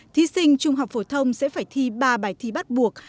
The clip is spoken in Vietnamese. thí sinh trung học phổ thông sẽ phải thi ba bài thi bắt buộc